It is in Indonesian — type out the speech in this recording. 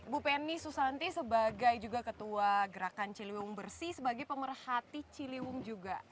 bu penny susanti sebagai juga ketua gerakan ciliwung bersih sebagai pemerhati ciliwung juga